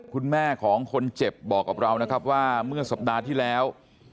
คุณแม่ของคนเจ็บบอกกับเรานะครับว่าเมื่อสัปดาห์ที่แล้ว